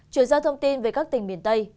chuyển sang thông tin về các tỉnh miền tây